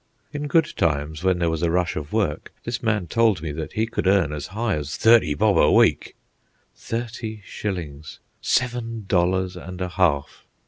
In good times, when there was a rush of work, this man told me that he could earn as high as "thirty bob a week."—Thirty shillings! Seven dollars and a half!